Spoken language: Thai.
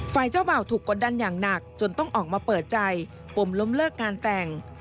ฝ่ายเจ้าบ่าวถูกกดดันอย่างหนักจนต้องออกมาเปิดใจปมล้มเลิกงานแต่ง